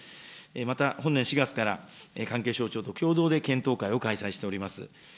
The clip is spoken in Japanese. また本年４月から、関係省庁と共同で検討会を開催しております。